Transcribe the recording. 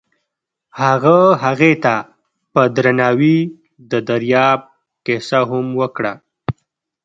هغه هغې ته په درناوي د دریاب کیسه هم وکړه.